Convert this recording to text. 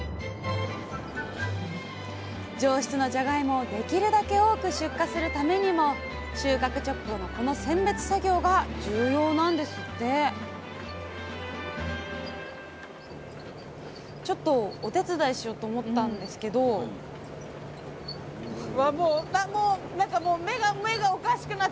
上質のじゃがいもをできるだけ多く出荷するためにも収穫直後のこの選別作業が重要なんですってちょっとお手伝いしようと思ったんですけどわっ